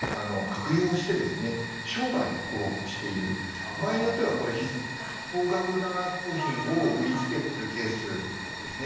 あとは場合によっては高額な商品を売りつけるケースですね。